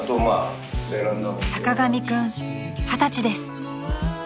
［坂上君二十歳です］